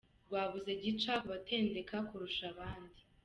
Rwabuze gica ku batendeka kurusha abandi